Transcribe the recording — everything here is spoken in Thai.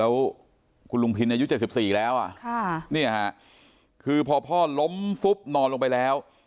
แล้วคุณลุงพินยุคเจ็ดสิบสี่แล้วนี่อ่ะค่ะคือพ่อล้มฟุบนอนลงไปแล้ว